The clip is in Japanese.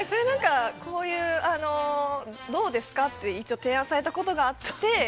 こういうのどうですか？と提案されたことがあって。